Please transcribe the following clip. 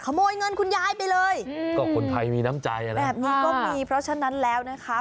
ขโมยเงินคุณยายไปเลยก็คนไทยมีน้ำใจอะไรแบบนี้ก็มีเพราะฉะนั้นแล้วนะคะ